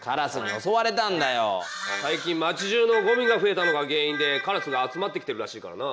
最近町じゅうのゴミが増えたのが原因でカラスが集まってきてるらしいからな。